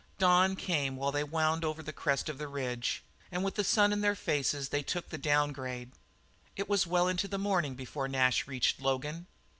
Dawn came while they wound over the crest of the range, and with the sun in their faces they took the downgrade. It was well into the morning before Nash reached Logan.